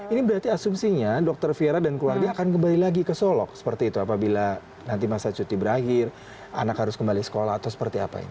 ini berarti asumsinya dokter viera dan keluarga akan kembali lagi ke solok seperti itu apabila nanti masa cuti berakhir anak harus kembali sekolah atau seperti apa